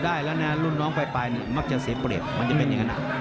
ได้แล้วนะรุ่นน้องปลายเนี่ยมักจะเสียเปรียบมันจะเป็นอย่างนั้น